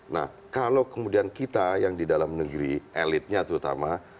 nah kalau kemudian kita yang di dalam negeri elitnya terutama